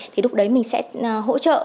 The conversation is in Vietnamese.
thì lúc đấy mình sẽ hỗ trợ